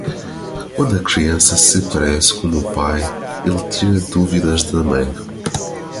Quando a criança se parece com o pai, ele tira dúvidas da mãe.